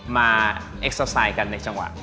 มาเอ็กซาไซด์กันในจังหวะ